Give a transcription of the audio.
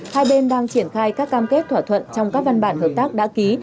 hai bên đang triển khai các cam kết thỏa thuận trong các văn bản hợp tác đã ký